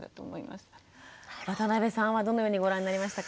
渡部さんはどのようにご覧になりましたか？